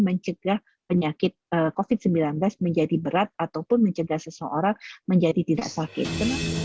mencegah penyakit covid sembilan belas menjadi berat ataupun mencegah seseorang menjadi tidak sakit